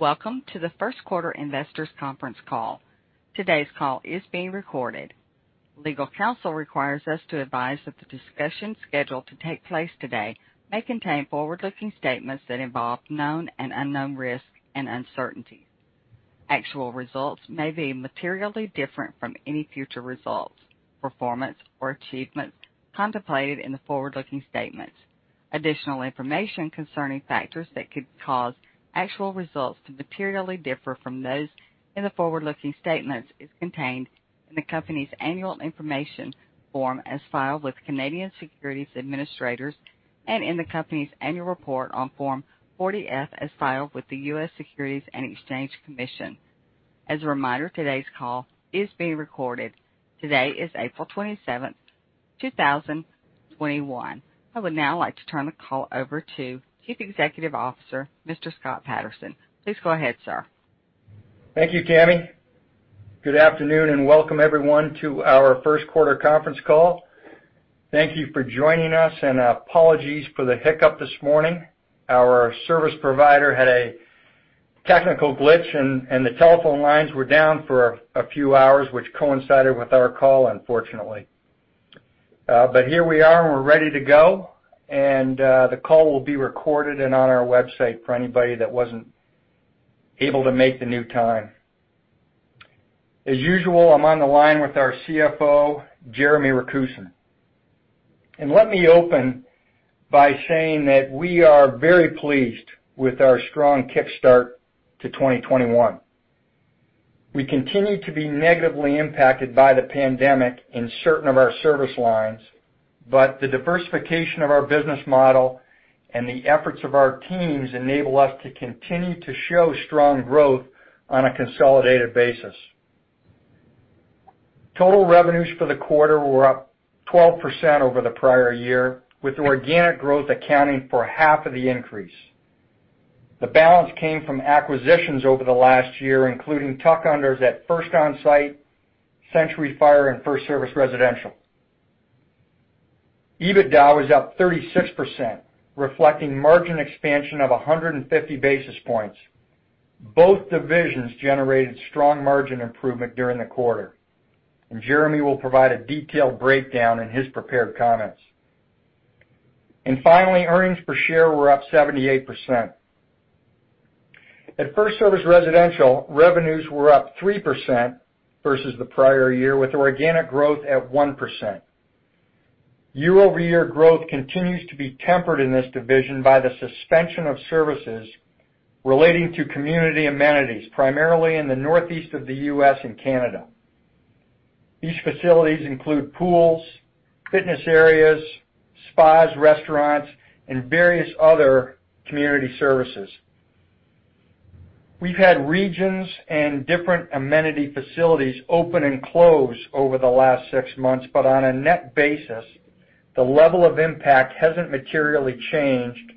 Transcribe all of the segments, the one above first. Welcome to the first quarter investors conference call. Today's call is being recorded. Legal counsel requires us to advise that the discussion scheduled to take place today may contain forward-looking statements that involve known and unknown risks and uncertainties. Actual results may be materially different from any future results, performance, or achievements contemplated in the forward-looking statements. Additional information concerning factors that could cause actual results to materially differ from those in the forward-looking statements is contained in the company's annual information form as filed with Canadian Securities Administrators and in the company's annual report on Form 40-F, as filed with the U.S. Securities and Exchange Commission. As a reminder, today's call is being recorded. Today is April 27th, 2021. I would now like to turn the call over to Chief Executive Officer, Mr. Scott Patterson. Please go ahead, sir. Thank you, Tammy. Good afternoon, welcome everyone to our first-quarter conference call. Thank you for joining us, and apologies for the hiccup this morning. Our service provider had a technical glitch, and the telephone lines were down for a few hours, which coincided with our call, unfortunately. Here we are, and we're ready to go, and the call will be recorded and on our website for anybody that wasn't able to make the new time. As usual, I'm on the line with our CFO, Jeremy Rakusin. Let me open by saying that we are very pleased with our strong kick start to 2021. We continue to be negatively impacted by the pandemic in certain of our service lines, but the diversification of our business model and the efforts of our teams enable us to continue to show strong growth on a consolidated basis. Total revenues for the quarter were up 12% over the prior year, with organic growth accounting for half of the increase. The balance came from acquisitions over the last year, including tuck-unders FIRST ONSITE, Century Fire, and FirstService Residential. EBITDA was up 36%, reflecting margin expansion of 150 basis points. Both divisions generated strong margin improvement during the quarter, Jeremy will provide a detailed breakdown in his prepared comments. Finally, earnings per share were up 78%. At FirstService Residential, revenues were up 3% versus the prior year, with organic growth at 1%. Year-over-year growth continues to be tempered in this division by the suspension of services relating to community amenities, primarily in the northeast of the U.S. and Canada. These facilities include pools, fitness areas, spas, restaurants, and various other community services. We've had regions and different amenity facilities open and close over the last six months, but on a net basis, the level of impact hasn't materially changed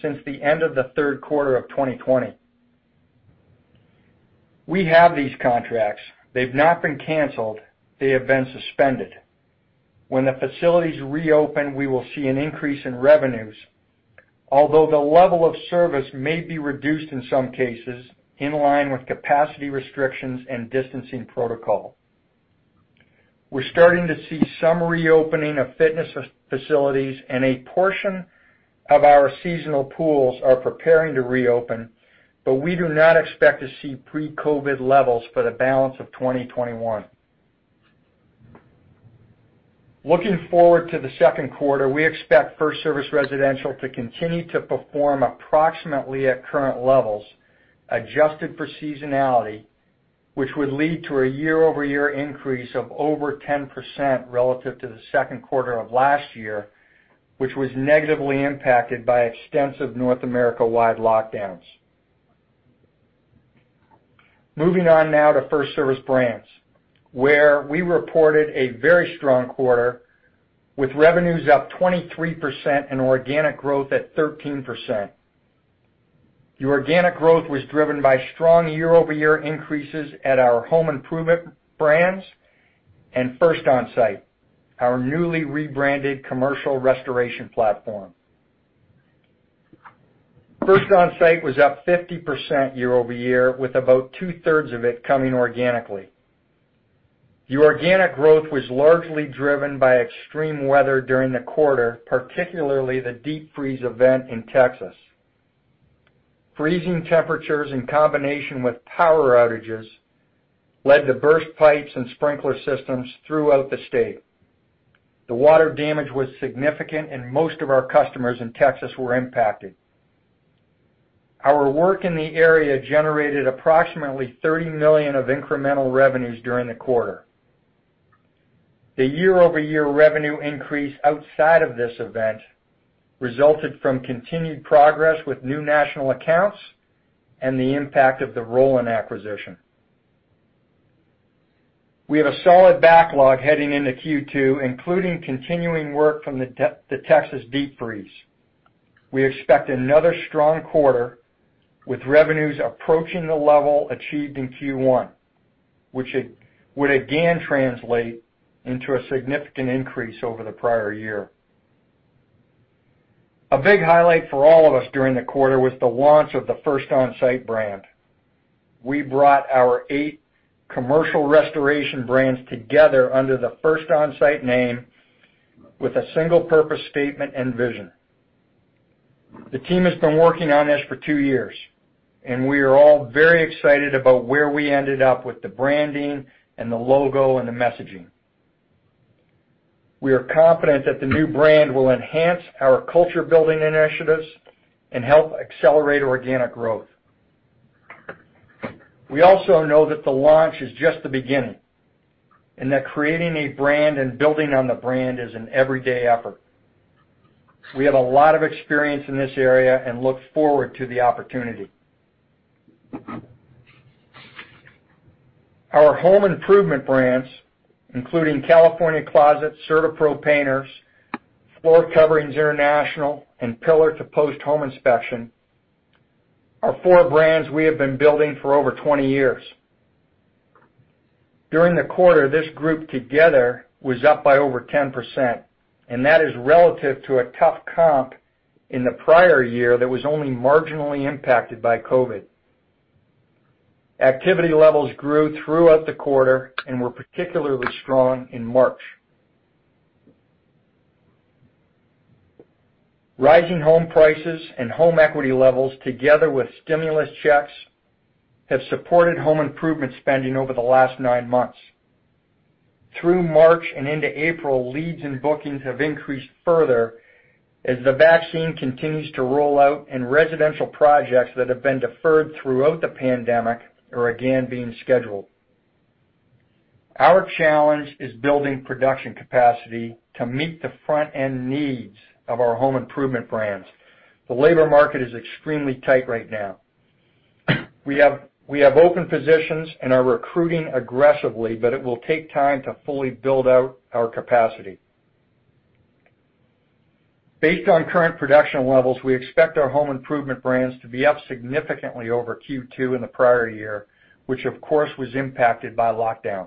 since the end of the third quarter of 2020. We have these contracts. They've not been canceled. They have been suspended. When the facilities reopen, we will see an increase in revenues, although the level of service may be reduced in some cases, in line with capacity restrictions and distancing protocol. We're starting to see some reopening of fitness facilities, and a portion of our seasonal pools are preparing to reopen, but we do not expect to see pre-COVID levels for the balance of 2021. Looking forward to the second quarter, we expect FirstService Residential to continue to perform approximately at current levels, adjusted for seasonality, which would lead to a year-over-year increase of over 10% relative to the second quarter of last year, which was negatively impacted by extensive North America-wide lockdowns. Moving on now to FirstService Brands, where we reported a very strong quarter, with revenues up 23% and organic growth at 13%. The organic growth was driven by strong year-over-year increases at our home improvement brands FIRST ONSITE, our newly rebranded commercial restoration FIRST ONSITE was up 50% year-over-year, with about 2/3 of it coming organically. The organic growth was largely driven by extreme weather during the quarter, particularly the deep freeze event in Texas. Freezing temperatures in combination with power outages led to burst pipes and sprinkler systems throughout the state. The water damage was significant, and most of our customers in Texas were impacted. Our work in the area generated approximately $30 million of incremental revenues during the quarter. The year-over-year revenue increase outside of this event resulted from continued progress with new national accounts and the impact of the Rolyn acquisition. We have a solid backlog heading into Q2, including continuing work from the Texas deep freeze. We expect another strong quarter with revenues approaching the level achieved in Q1. Which would again translate into a significant increase over the prior year. A big highlight for all of us during the quarter was the launch of the FIRST ONSITE brand. We brought our eight commercial restoration brands together under the FIRST ONSITE name with a single purpose statement and vision. The team has been working on this for two years, and we are all very excited about where we ended up with the branding, and the logo, and the messaging. We are confident that the new brand will enhance our culture building initiatives and help accelerate organic growth. We also know that the launch is just the beginning, and that creating a brand and building on the brand is an everyday effort. We have a lot of experience in this area and look forward to the opportunity. Our home improvement brands, including California Closets, CertaPro Painters, Floor Coverings International, and Pillar To Post Home Inspectors, are four brands we have been building for over 20 years. During the quarter, this group together was up by over 10%, and that is relative to a tough comp in the prior year that was only marginally impacted by COVID. Activity levels grew throughout the quarter and were particularly strong in March. Rising home prices and home equity levels, together with stimulus checks, have supported home improvement spending over the last nine months. Through March and into April, leads and bookings have increased further as the vaccine continues to roll out and residential projects that have been deferred throughout the pandemic are again being scheduled. Our challenge is building production capacity to meet the front-end needs of our home improvement brands. The labor market is extremely tight right now. We have open positions and are recruiting aggressively, but it will take time to fully build out our capacity. Based on current production levels, we expect our home improvement brands to be up significantly over Q2 in the prior year, which, of course, was impacted by lockdowns.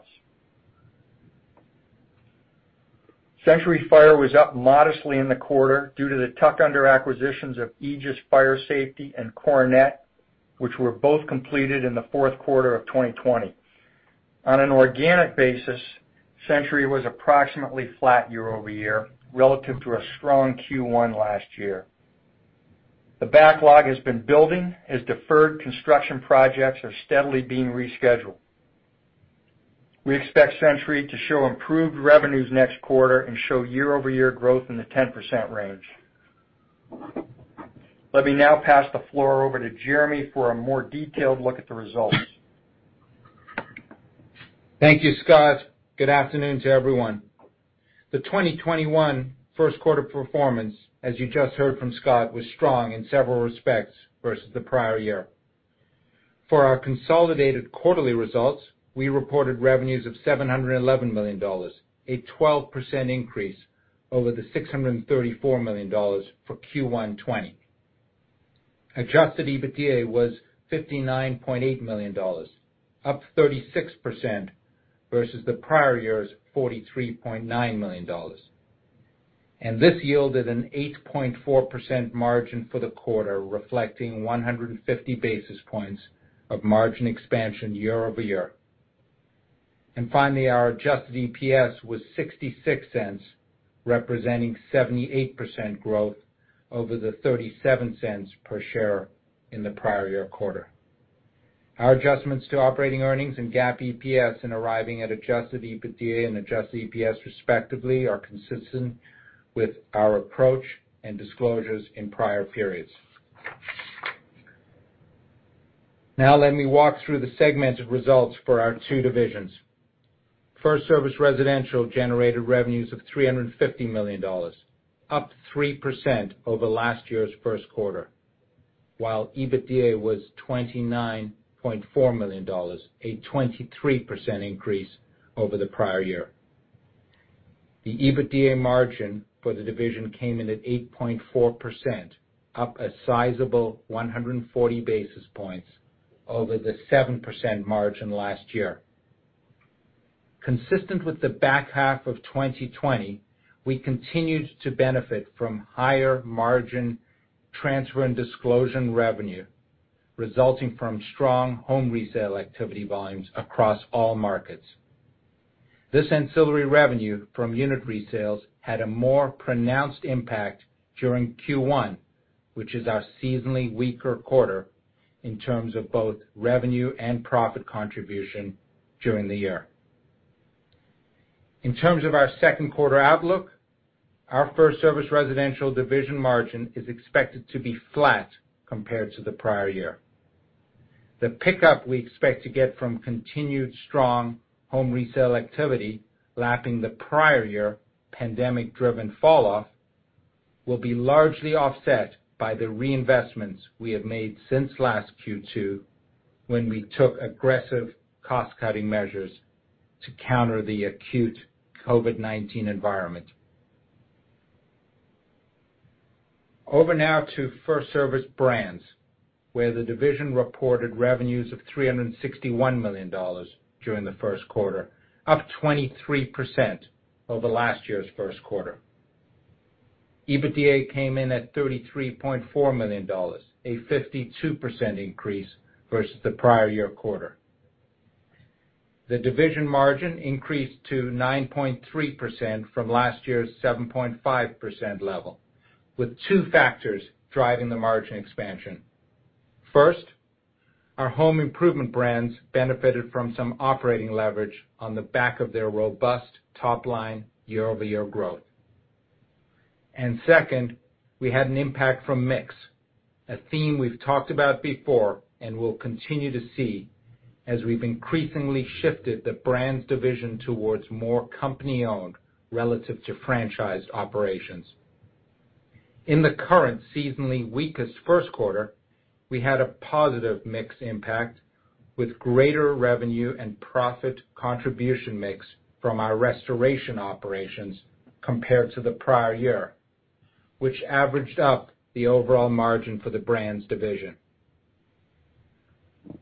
Century Fire was up modestly in the quarter due to the tuck-under acquisitions of Aegis Fire Safety and Coronet, which were both completed in the fourth quarter of 2020. On an organic basis, Century was approximately flat year-over-year relative to a strong Q1 last year. The backlog has been building as deferred construction projects are steadily being rescheduled. We expect Century to show improved revenues next quarter and show year-over-year growth in the 10% range. Let me now pass the floor over to Jeremy for a more detailed look at the results. Thank you, Scott. Good afternoon to everyone. The 2021 first quarter performance, as you just heard from Scott, was strong in several respects versus the prior year. For our consolidated quarterly results, we reported revenues of $711 million, a 12% increase over the $634 million for Q1 2020. Adjusted EBITDA was $59.8 million, up 36% versus the prior year's $43.9 million. This yielded an 8.4% margin for the quarter, reflecting 150 basis points of margin expansion year-over-year. Finally, our adjusted EPS was $0.66, representing 78% growth over the $0.37 per share in the prior year quarter. Our adjustments to operating earnings and GAAP EPS in arriving at adjusted EBITDA and adjusted EPS, respectively, are consistent with our approach and disclosures in prior periods. Now let me walk through the segmented results for our two divisions. FirstService Residential generated revenues of $350 million, up 3% over last year's first quarter, while EBITDA was $29.4 million, a 23% increase over the prior year. The EBITDA margin for the division came in at 8.4%, up a sizable 140 basis points over the 7% margin last year. Consistent with the back half of 2020, we continued to benefit from higher-margin transfer and disclosure revenue resulting from strong home resale activity volumes across all markets. This ancillary revenue from unit resales had a more pronounced impact during Q1, which is our seasonally weaker quarter in terms of both revenue and profit contribution during the year. In terms of our second quarter outlook, our FirstService Residential division margin is expected to be flat compared to the prior year. The pickup we expect to get from continued strong home resale activity lapping the prior year pandemic-driven fall off will be largely offset by the reinvestments we have made since last Q2 when we took aggressive cost-cutting measures to counter the acute COVID-19 environment. Over now to FirstService Brands, where the division reported revenues of $361 million during the first quarter, up 23% over last year's first quarter. EBITDA came in at $33.4 million, a 52% increase versus the prior year quarter. The division margin increased to 9.3% from last year's 7.5% level, with two factors driving the margin expansion. First, our home improvement brands benefited from some operating leverage on the back of their robust top-line year-over-year growth. Second, we had an impact from mix, a theme we've talked about before and will continue to see as we've increasingly shifted the Brands division towards more company-owned relative to franchised operations. In the current seasonally weakest first quarter, we had a positive mix impact with greater revenue and profit contribution mix from our restoration operations compared to the prior year, which averaged up the overall margin for the Brands division.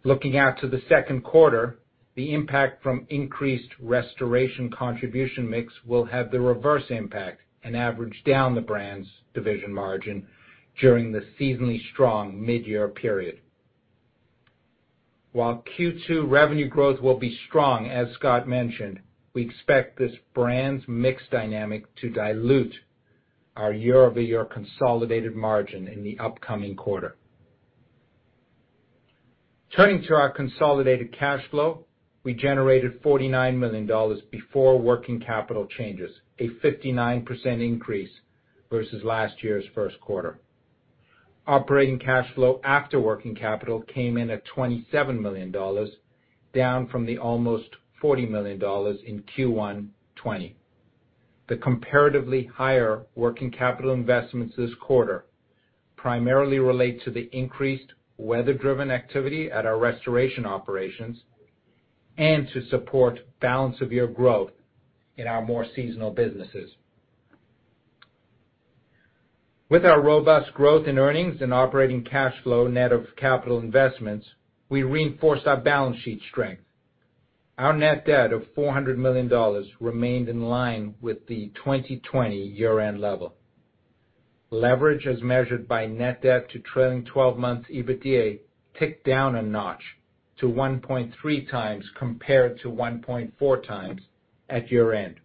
Looking out to the second quarter, the impact from increased restoration contribution mix will have the reverse impact and average down the Brands division margin during the seasonally strong mid-year period. While Q2 revenue growth will be strong, as Scott mentioned, we expect this Brands mix dynamic to dilute our year-over-year consolidated margin in the upcoming quarter. Turning to our consolidated cash flow, we generated $49 million before working capital changes, a 59% increase versus last year's first quarter. Operating cash flow after working capital came in at $27 million, down from the almost $40 million in Q1 2020. The comparatively higher working capital investments this quarter primarily relate to the increased weather-driven activity at our restoration operations and to support balance of year growth in our more seasonal businesses. With our robust growth in earnings and operating cash flow net of capital investments, we reinforce our balance sheet strength. Our net debt of $400 million remained in line with the 2020 year-end level. Leverage as measured by net debt to trailing 12 months EBITDA ticked down a notch to 1.3x compared to 1.4x at year-end.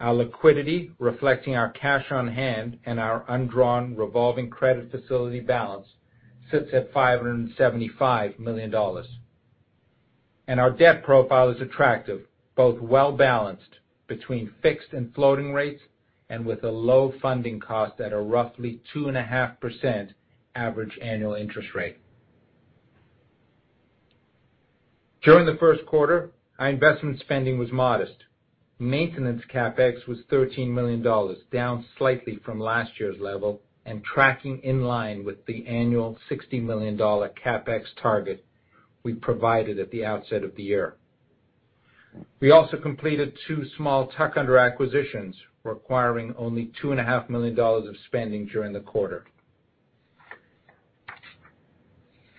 Our liquidity, reflecting our cash on hand and our undrawn revolving credit facility balance, sits at $575 million. Our debt profile is attractive, both well-balanced between fixed and floating rates and with a low funding cost at a roughly 2.5% average annual interest rate. During the first quarter, our investment spending was modest. Maintenance CapEx was $13 million, down slightly from last year's level and tracking in line with the annual $60 million CapEx target we provided at the outset of the year. We also completed two small tuck-under acquisitions, requiring only $2.5 million of spending during the quarter.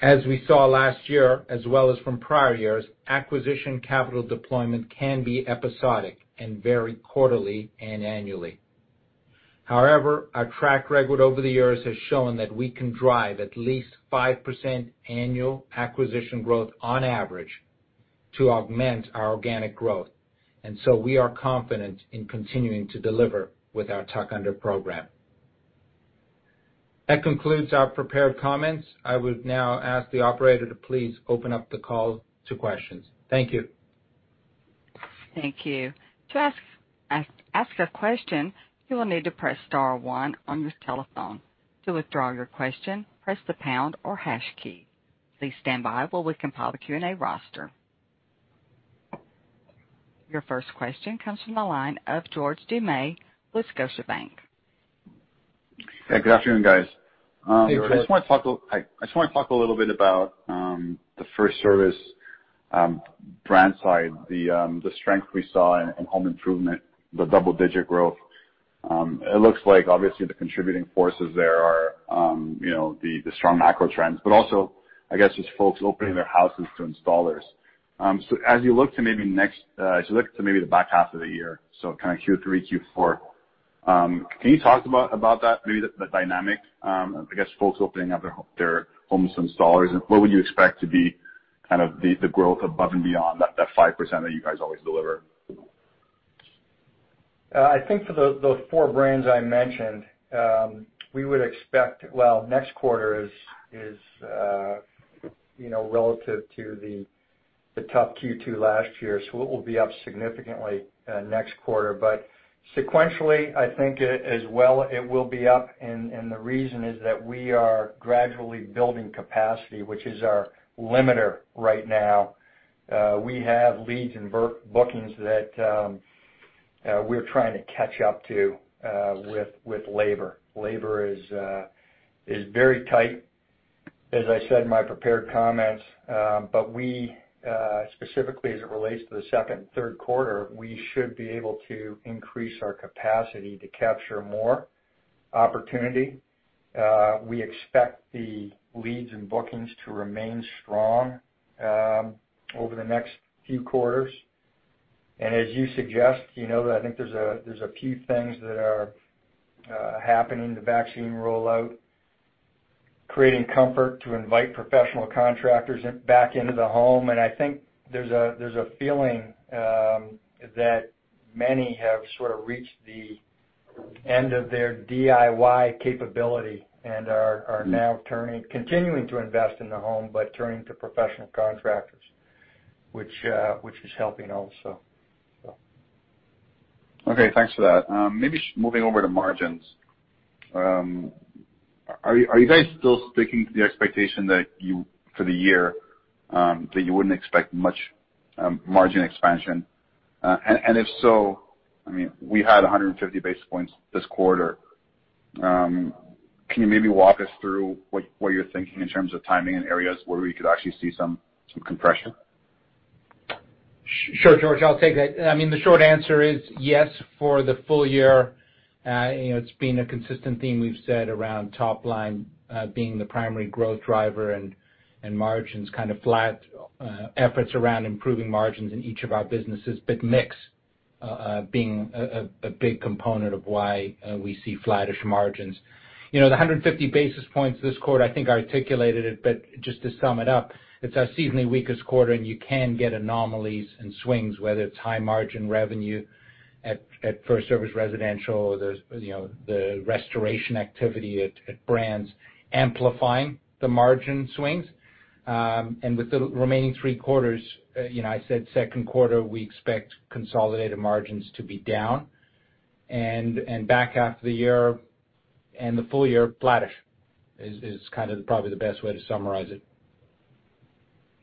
As we saw last year, as well as from prior years, acquisition capital deployment can be episodic and vary quarterly and annually. However, our track record over the years has shown that we can drive at least 5% annual acquisition growth on average to augment our organic growth. We are confident in continuing to deliver with our tuck-under program. That concludes our prepared comments. I would now ask the operator to please open up the call to questions. Thank you. Thank you. To ask a question, you will need to press star one on your telephone. To withdraw your question, press the pound or hash key. Please stand by while we compile the queue. Your first question comes from the line of George Doumet with Scotiabank. Hey, good afternoon, guys. Hey, George. I just want to talk a little bit about the FirstService Brands side, the strength we saw in home improvement, the double-digit growth. It looks like obviously the contributing forces there are the strong macro trends, but also I guess just folks opening their houses to installers. As you look to maybe the back half of the year, so kind of Q3, Q4, can you talk about that, maybe the dynamic of, I guess, folks opening up their homes to installers? What would you expect to be kind of the growth above and beyond that 5% that you guys always deliver? I think for those four brands I mentioned, we would expect Well, next quarter is relative to the tough Q2 last year, so it will be up significantly next quarter. Sequentially, I think as well it will be up, and the reason is that we are gradually building capacity, which is our limiter right now. We have leads and bookings that we're trying to catch up to with labor. Labor is very tight, as I said in my prepared comments. We, specifically as it relates to the second and third quarter, we should be able to increase our capacity to capture more opportunity. We expect the leads and bookings to remain strong over the next few quarters. As you suggest, I think there's a few things that are happening, the vaccine rollout, creating comfort to invite professional contractors back into the home. I think there's a feeling that many have sort of reached the end of their DIY capability and are now continuing to invest in the home, turning to professional contractors, which is helping also. Okay. Thanks for that. Maybe moving over to margins. Are you guys still sticking to the expectation that for the year, that you wouldn't expect much margin expansion? If so, we had 150 basis points this quarter. Can you maybe walk us through what you're thinking in terms of timing and areas where we could actually see some compression? Sure, George, I'll take that. The short answer is yes for the full year. It's been a consistent theme we've said around top line being the primary growth driver and margins kind of flat, efforts around improving margins in each of our businesses, but mix being a big component of why we see flattish margins. The 150 basis points this quarter, I think articulated it, but just to sum it up, it's our seasonally weakest quarter, and you can get anomalies and swings, whether it's high-margin revenue at FirstService Residential or the restoration activity at Brands amplifying the margin swings. With the remaining three quarters, I said second quarter, we expect consolidated margins to be down and back half of the year and the full year flattish is kind of probably the best way to summarize it.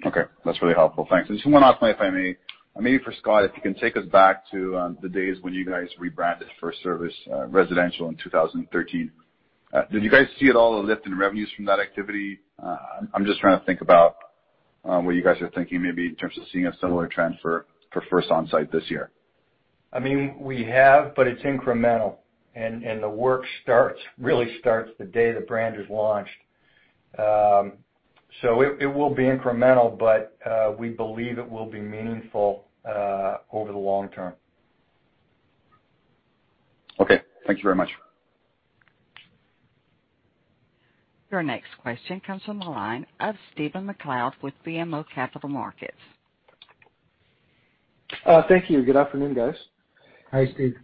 Okay. That's really helpful. Thanks. Just one last point, if I may. Maybe for Scott, if you can take us back to the days when you guys rebranded FirstService Residential in 2013. Did you guys see at all a lift in revenues from that activity? I'm just trying to think about what you guys are thinking maybe in terms of seeing a similar trend for FIRST ONSITE this year. We have, but it's incremental, and the work really starts the day the brand is launched. It will be incremental, but we believe it will be meaningful over the long term. Okay. Thank you very much. Your next question comes from the line of Stephen MacLeod with BMO Capital Markets. Thank you. Good afternoon, guys. Hi, Stephen.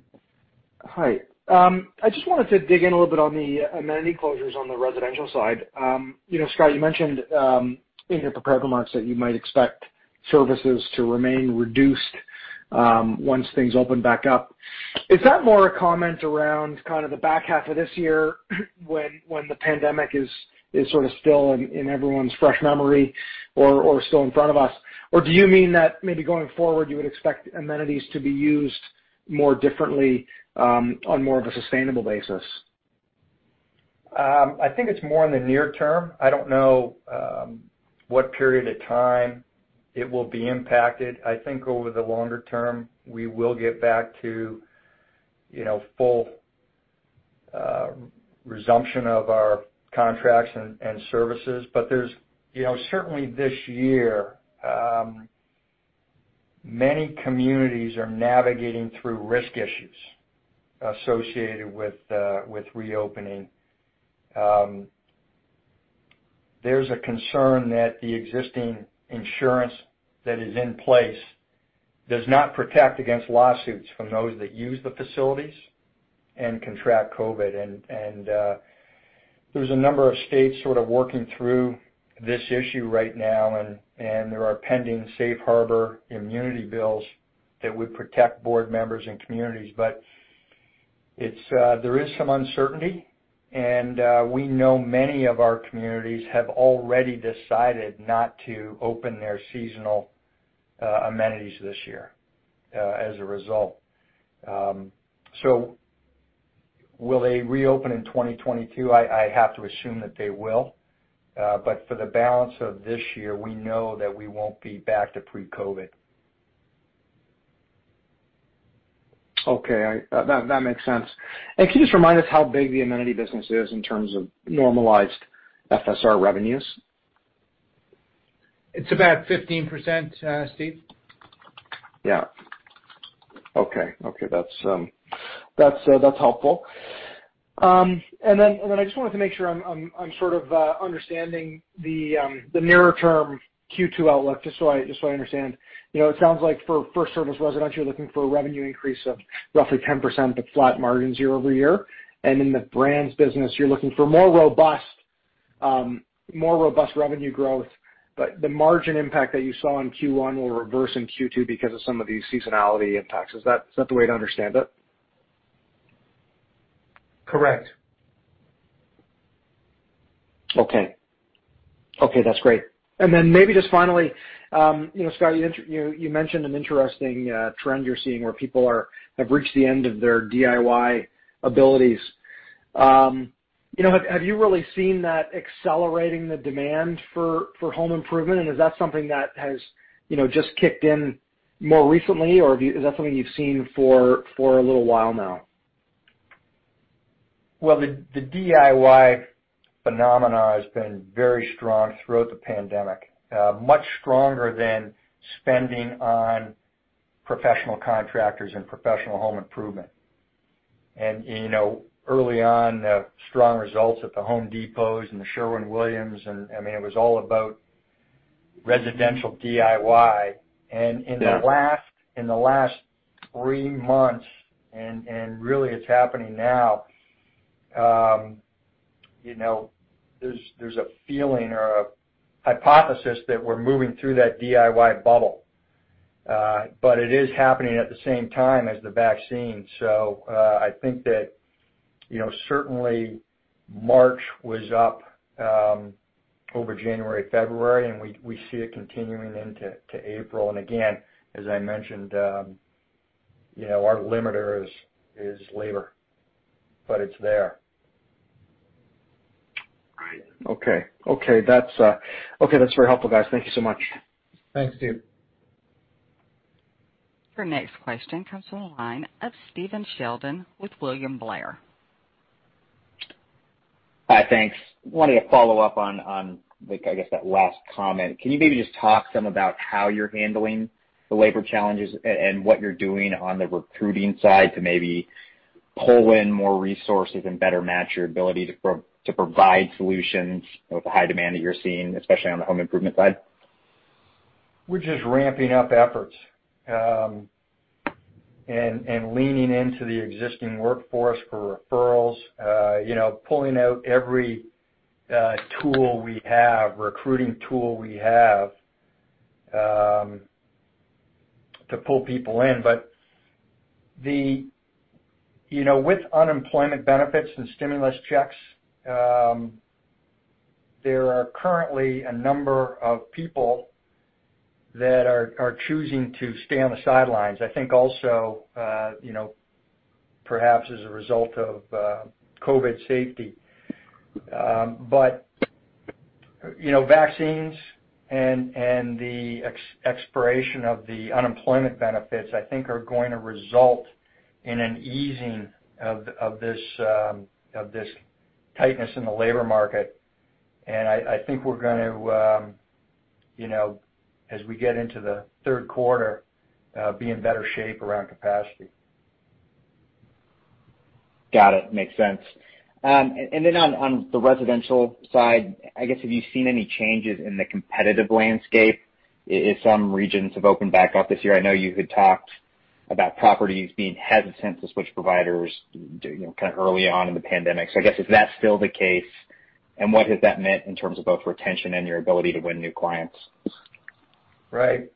Hi. I just wanted to dig in a little bit on the amenity closures on the residential side. Scott, you mentioned in your prepared remarks that you might expect services to remain reduced once things open back up. Is that more a comment around kind of the back half of this year when the pandemic is sort of still in everyone's fresh memory or still in front of us? Or do you mean that maybe going forward, you would expect amenities to be used more differently on more of a sustainable basis? I think it's more in the near term. I don't know what period of time it will be impacted. I think over the longer term, we will get back to full resumption of our contracts and services. Certainly this year, many communities are navigating through risk issues associated with reopening. There's a concern that the existing insurance that is in place does not protect against lawsuits from those that use the facilities and contract COVID. There's a number of states sort of working through this issue right now, and there are pending safe harbor immunity bills that would protect board members and communities. There is some uncertainty, and we know many of our communities have already decided not to open their seasonal amenities this year as a result. Will they reopen in 2022? I have to assume that they will. For the balance of this year, we know that we won't be back to pre-COVID. Okay. That makes sense. Can you just remind us how big the amenity business is in terms of normalized FSR revenues? It's about 15%, Stephen. Yeah. Okay. That's helpful. I just wanted to make sure I'm sort of understanding the nearer term Q2 outlook, just so I understand. It sounds like for FirstService Residential, you're looking for a revenue increase of roughly 10%, but flat margins year-over-year. In the Brands business, you're looking for more robust revenue growth, but the margin impact that you saw in Q1 will reverse in Q2 because of some of the seasonality impacts. Is that the way to understand it? Correct. Okay, that's great. Maybe just finally, Scott, you mentioned an interesting trend you're seeing where people have reached the end of their DIY abilities. Have you really seen that accelerating the demand for home improvement? Is that something that has just kicked in more recently? Or is that something you've seen for a little while now? Well, the DIY phenomena has been very strong throughout the pandemic. Much stronger than spending on professional contractors and professional home improvement. Early on, the strong results at The Home Depot and Sherwin-Williams, and it was all about residential DIY. In the last three months, and really it's happening now, there's a feeling or a hypothesis that we're moving through that DIY bubble. It is happening at the same time as the vaccine. I think that certainly March was up over January, February, and we see it continuing into April. Again, as I mentioned, our limiter is labor, but it's there. Right. Okay. That's very helpful, guys. Thank you so much. Thanks, Stephen. Your next question comes from the line of Stephen Sheldon with William Blair. Hi, thanks. Wanted to follow up on I guess that last comment. Can you maybe just talk some about how you're handling the labor challenges and what you're doing on the recruiting side to maybe pull in more resources and better match your ability to provide solutions with the high demand that you're seeing, especially on the home improvement side? We're just ramping up efforts, and leaning into the existing workforce for referrals. Pulling out every tool we have, recruiting tool we have, to pull people in. With unemployment benefits and stimulus checks, there are currently a number of people that are choosing to stay on the sidelines. I think also perhaps as a result of COVID safety. Vaccines and the expiration of the unemployment benefits, I think are going to result in an easing of this tightness in the labor market. I think we're going to, as we get into the third quarter, be in better shape around capacity. Got it. Makes sense. Then on the residential side, I guess, have you seen any changes in the competitive landscape if some regions have opened back up this year? I know you had talked about properties being hesitant to switch providers kind of early on in the pandemic. I guess, is that still the case, and what has that meant in terms of both retention and your ability to win new clients? Right.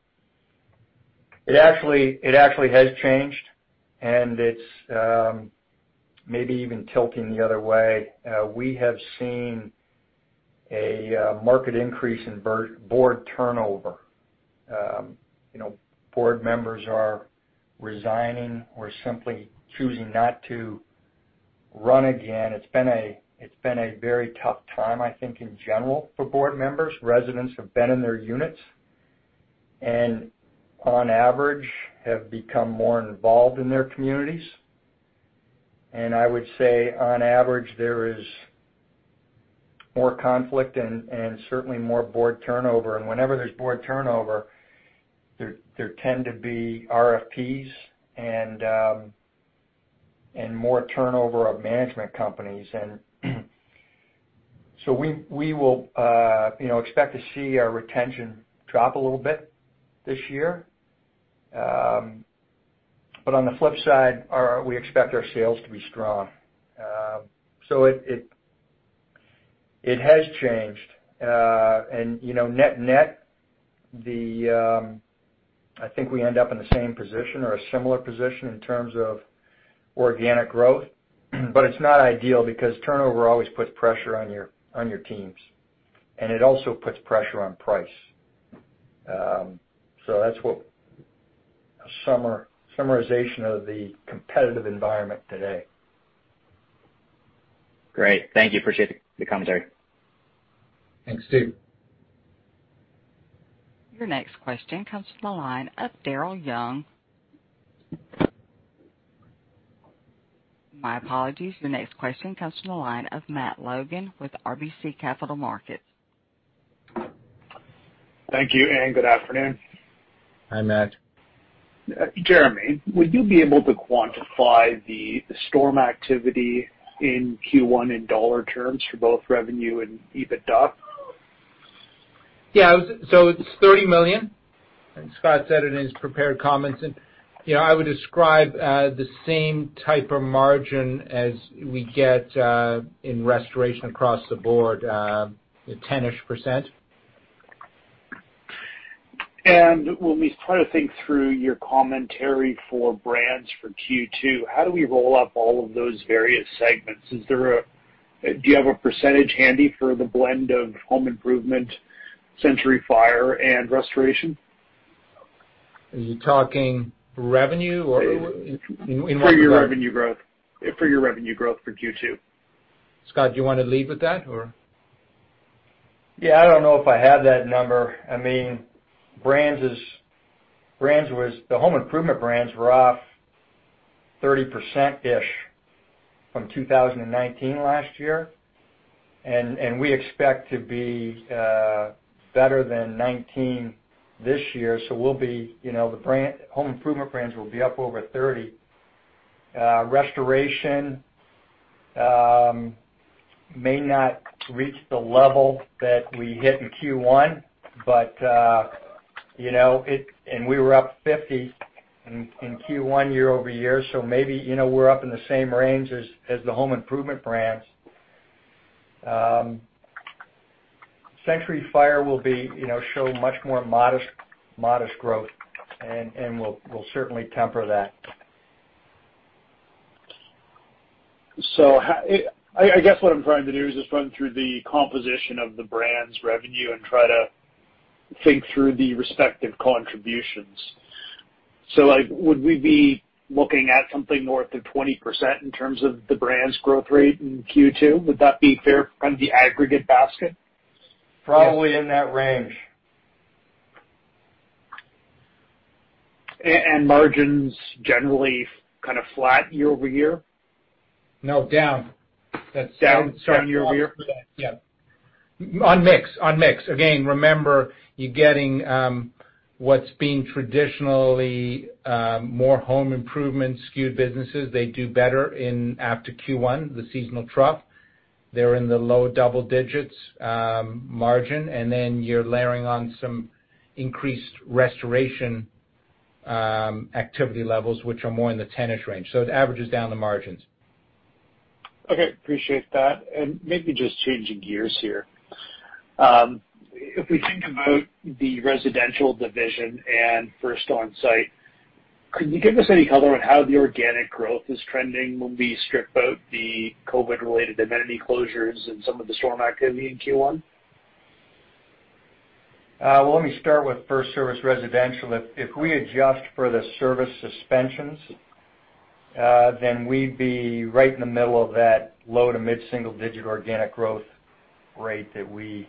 It actually has changed, and it's maybe even tilting the other way. We have seen a market increase in board turnover. Board members are resigning or simply choosing not to run again. It's been a very tough time, I think, in general, for board members. Residents have been in their units, and on average, have become more involved in their communities. I would say, on average, there is more conflict and certainly more board turnover. Whenever there's board turnover, there tend to be RFPs and more turnover of management companies. We will expect to see our retention drop a little bit this year. On the flip side, we expect our sales to be strong. It has changed. Net-net, I think we end up in the same position or a similar position in terms of organic growth, but it's not ideal because turnover always puts pressure on your teams, and it also puts pressure on price. That's a summarization of the competitive environment today. Great. Thank you. Appreciate the commentary. Thanks, Stephen. Your next question comes from the line of Daryl Young. My apologies. The next question comes from the line of Matt Logan with RBC Capital Markets. Thank you, and good afternoon. Hi, Matt. Jeremy, would you be able to quantify the storm activity in Q1 in dollar terms for both revenue and EBITDA? Yeah. It's $30 million, and Scott said it in his prepared comments. I would describe the same type of margin as we get in restoration across the board, 10-ish%. When we try to think through your commentary for Brands for Q2, how do we roll up all of those various segments? Do you have a percentage handy for the blend of home improvement, Century Fire, and restoration? Are you talking revenue or in what regard? For your revenue growth for Q2. Scott, do you want to lead with that or? Yeah. I don't know if I have that number. The home improvement brands were off 30%-ish from 2019 last year. We expect to be better than 2019 this year. The home improvement brands will be up over 30%. Restoration may not reach the level that we hit in Q1. We were up 50% in Q1 year-over-year. Maybe we're up in the same range as the home improvement brands. Century Fire will show much more modest growth. We'll certainly temper that. I guess what I'm trying to do is just run through the composition of the Brands revenue and try to think through the respective contributions. Would we be looking at something north of 20% in terms of the Brands growth rate in Q2? Would that be fair from the aggregate basket? Probably in that range. Margins generally kind of flat year-over-year? No, down. Down year-over-year? Yeah. On mix. Again, remember, you're getting what's being traditionally more home improvement skewed businesses. They do better after Q1, the seasonal trough. They're in the low double digits margin, and then you're layering on some increased restoration activity levels, which are more in the teenage range. It averages down the margins. Okay. Appreciate that. Maybe just changing gears here. If we think about the residential division and FIRST ONSITE, could you give us any color on how the organic growth is trending when we strip out the COVID-related amenity closures and some of the storm activity in Q1? Well, let me start with FirstService Residential. If we adjust for the service suspensions, then we'd be right in the middle of that low to mid single digit organic growth rate that we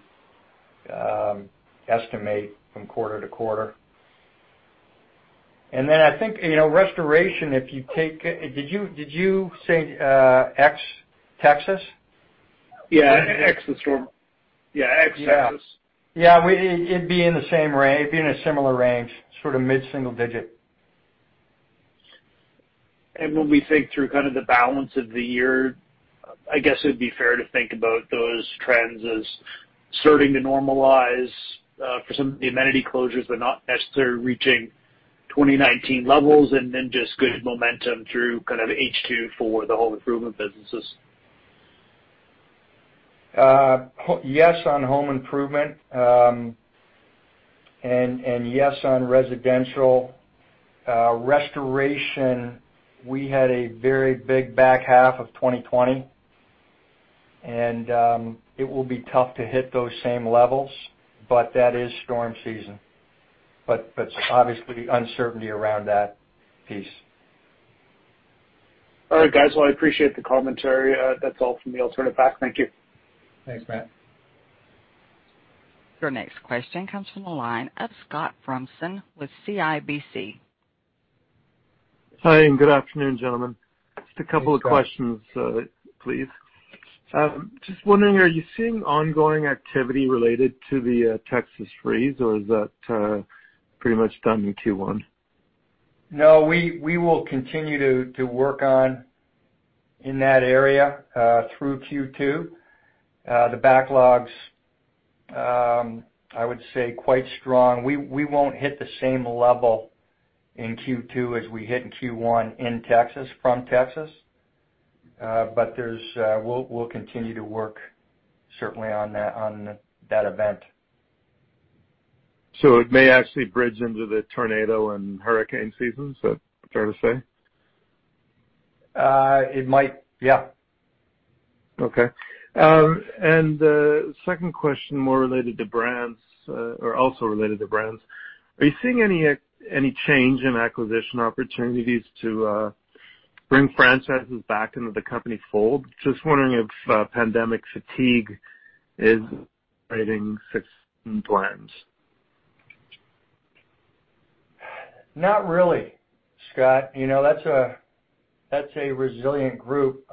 estimate from quarter to quarter. I think, restoration, did you say ex Texas? Yeah. Ex the storm. Yeah. Ex Texas. Yeah. It'd be in a similar range, sort of mid single digit. When we think through kind of the balance of the year, I guess it would be fair to think about those trends as starting to normalize for some of the amenity closures, but not necessarily reaching 2019 levels, and then just good momentum through kind of H2 for the home improvement businesses. Yes on home improvement, yes on residential. Restoration, we had a very big back half of 2020, and it will be tough to hit those same levels, but that is storm season. Obviously, uncertainty around that piece. All right, guys. Well, I appreciate the commentary. That's all from the I'll turn it back. Thank you. Thanks, Matt. Your next question comes from the line of Scott Fromson with CIBC. Hi, and good afternoon, gentlemen. Hey, Scott. Just a couple of questions, please. Just wondering, are you seeing ongoing activity related to the Texas freeze, or is that pretty much done in Q1? No, we will continue to work on in that area through Q2. The backlogs, I would say, quite strong. We won't hit the same level in Q2 as we hit in Q1 from Texas. We'll continue to work certainly on that event. It may actually bridge into the tornado and hurricane season, is that fair to say? It might. Yeah. Okay. The second question, more related to brands, or also related to brands, are you seeing any change in acquisition opportunities to bring franchises back into the company fold? Just wondering if pandemic fatigue is creating system brands. Not really, Scott. That's a resilient group.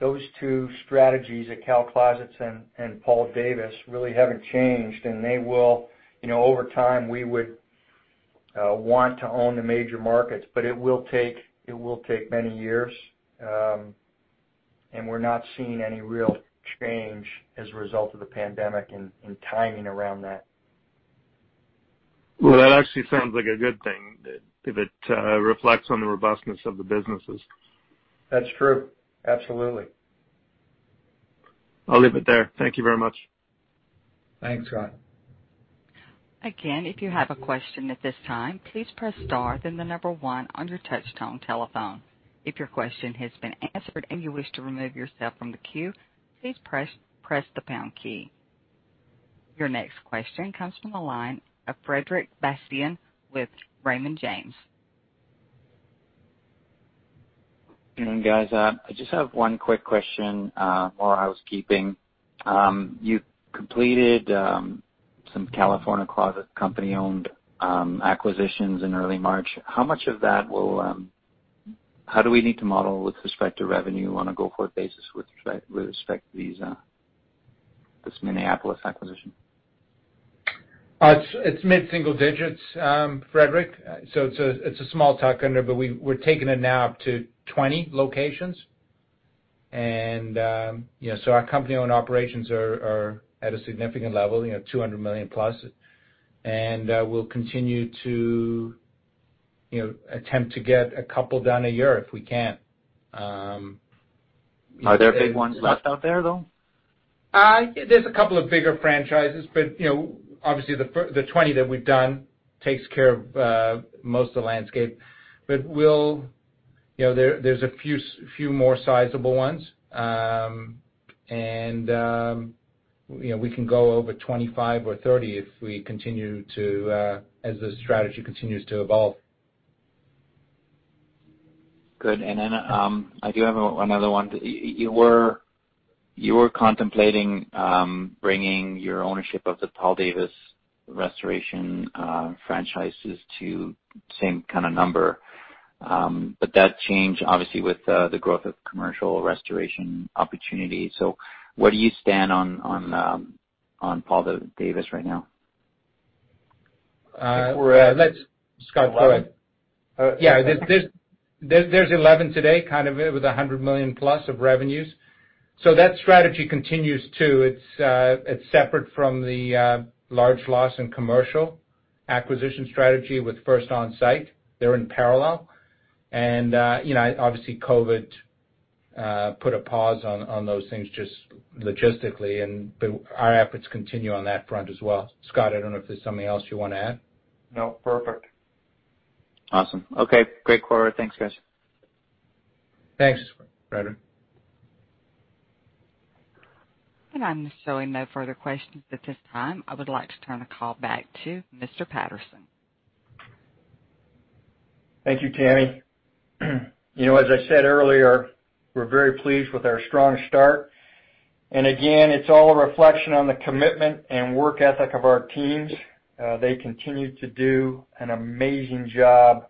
Those two strategies at Cal Closets and Paul Davis really haven't changed, and over time, we would want to own the major markets. It will take many years, and we're not seeing any real change as a result of the pandemic and timing around that. Well, that actually sounds like a good thing, that if it reflects on the robustness of the businesses. That's true. Absolutely. I'll leave it there. Thank you very much. Thanks, Scott. Again, if you have a question at this time, please press star then the number one on your touchtone telephone. If your question has been answered and you wish to remove yourself from the queue, please press the pound key. Your next question comes from the line of Frederic Bastien with Raymond James. Good morning, guys. I just have one quick question, more housekeeping. You completed some California Closets company-owned acquisitions in early March. How do we need to model with respect to revenue on a go-forward basis with respect to this Minneapolis acquisition? It's mid-single digits, Frederic. It's a small tuck-under, but we're taking it now up to 20 locations. Our company-owned operations are at a significant level, $200 million+. We'll continue to attempt to get a couple done a year if we can. Are there big ones left out there, though? There's a couple of bigger franchises, but obviously the 20 that we've done takes care of most of the landscape. There's a few more sizable ones. We can go over 25 or 30 as the strategy continues to evolve. Good. I do have another one. You were contemplating bringing your ownership of the Paul Davis Restoration franchises to same kind of number. That changed, obviously, with the growth of commercial restoration opportunities. Where do you stand on Paul Davis right now? Scott, go ahead. Yeah, there's 11 today, kind of with $100 million plus of revenues. That strategy continues, too. It's separate from the large loss in commercial acquisition strategy with FIRST ONSITE. They're in parallel. Obviously COVID put a pause on those things just logistically, but our efforts continue on that front as well. Scott, I don't know if there's something else you want to add. No, perfect. Awesome. Okay. Great quarter. Thanks, guys. Thanks, Frederic. I'm showing no further questions at this time. I would like to turn the call back to Mr. Patterson. Thank you, Tammy. As I said earlier, we're very pleased with our strong start. Again, it's all a reflection on the commitment and work ethic of our teams. They continue to do an amazing job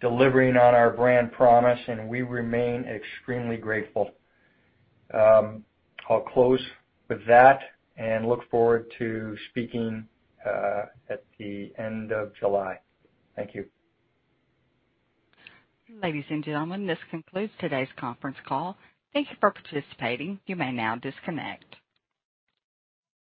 delivering on our brand promise, and we remain extremely grateful. I'll close with that and look forward to speaking at the end of July. Thank you. Ladies and gentlemen, this concludes today's conference call. Thank you for participating. You may now disconnect.